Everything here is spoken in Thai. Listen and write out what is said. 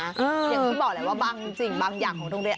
อย่างที่บอกแหละว่าบางสิ่งบางอย่างของโรงเรียน